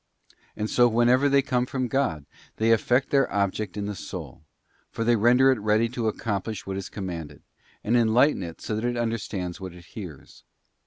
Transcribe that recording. And so whenever they come from God, they effect their object in the soul; for they render it ready to accomplish what is com manded, and enlighten it so that it understands what it hears.